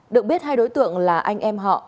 được biết hai đối tượng là anh em họ